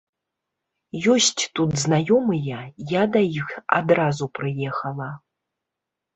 Ёсць тут знаёмыя, я да іх адразу прыехала.